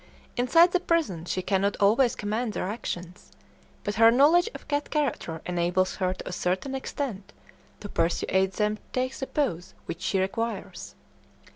Inside the prison she cannot always command their actions, but her knowledge of cat character enables her to a certain extent to persuade them to take the pose which she requires.